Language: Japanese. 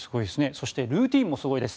そしてルーティンもすごいです。